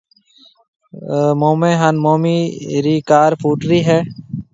مومَي هانَ مومِي رِي ڪار ڦوٽرِي هيَ۔